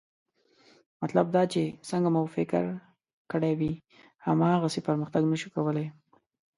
مطلب دا چې څنګه مو چې فکر کړی وي، هماغسې پرمختګ نه شو کولی